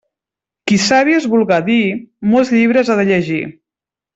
Qui savi es vulga dir, molts llibres ha de llegir.